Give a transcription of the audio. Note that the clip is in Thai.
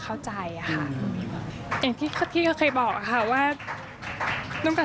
ว่าจะคากาย